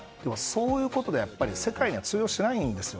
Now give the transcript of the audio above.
そういうことではやっぱり世界には通用しないんですよ。